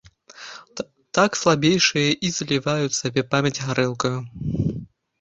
Так слабейшыя і заліваюць сабе памяць гарэлкаю.